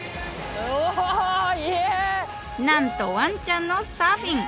なんとわんちゃんのサーフィン！